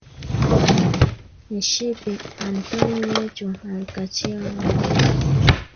Nshipi a ntonyi wechu alikachiwa na nguru